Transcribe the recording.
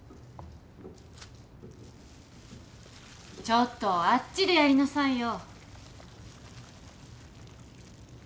ちょっとあっちでやりなさいよ。